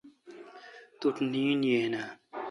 توٹھ نیند یین آں؟.